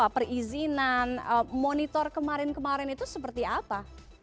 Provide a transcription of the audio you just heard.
perizinan monitor kemarin kemarin itu seperti apa